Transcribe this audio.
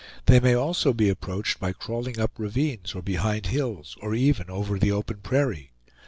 They may also be approached by crawling up ravines, or behind hills, or even over the open prairie.